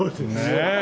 ねえ。